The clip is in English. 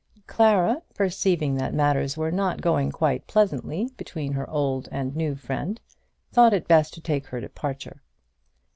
Clara, perceiving that matters were not going quite pleasantly between her old and new friend, thought it best to take her departure.